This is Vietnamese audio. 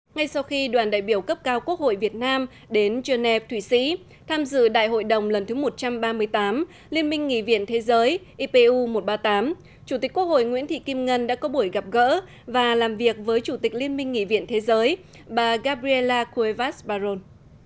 ngay sau khi đoàn đại biểu cấp cao quốc hội việt nam đến geneva thụy sĩ tham dự đại hội đồng lần thứ một trăm ba mươi tám liên minh nghị viện thế giới ipu một trăm ba mươi tám chủ tịch quốc hội nguyễn thị kim ngân đã có buổi gặp gỡ và làm việc với chủ tịch liên minh nghị viện thế giới bà gabriela kuevas baron